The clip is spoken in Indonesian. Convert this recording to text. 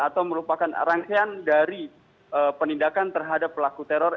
atau merupakan rangkaian dari penindakan terhadap pelaku teror